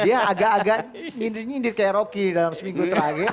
dia agak agak nyindir nyindir kayak rocky dalam seminggu terakhir